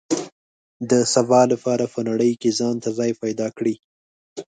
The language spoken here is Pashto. د سبا لپاره په نړۍ کې ځان ته ځای پیدا کړي.